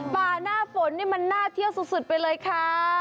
หน้าฝนนี่มันน่าเที่ยวสุดไปเลยค่ะ